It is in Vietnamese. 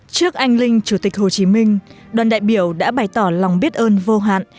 trước anh linh chủ tịch hồ chí minh đoàn đại biểu đã bày tỏ lòng biết ơn vô hạn